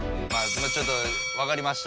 ちょっとわかりました。